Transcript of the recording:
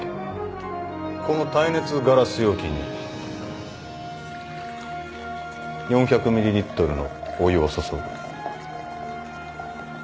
この耐熱ガラス容器に４００ミリリットルのお湯を注ぐ。